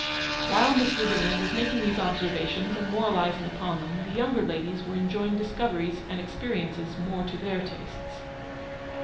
While Miss Lavinia was making these observations and moralizing upon them, the younger ladies were enjoying discoveries and experiences more to their tastes.